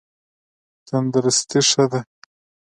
تندرستي ښه ده.